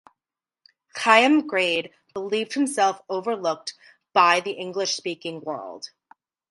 Chaim Grade believed himself overlooked by the English-speaking world.